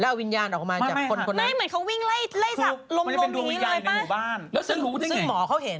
แล้วเอาวิญญาณออกมาจากคน